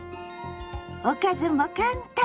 おかずも簡単！